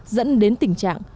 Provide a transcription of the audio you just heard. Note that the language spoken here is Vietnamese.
dẫn đến tình trạng